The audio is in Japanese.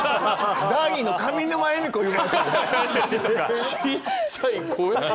第２の上沼恵美子言われた。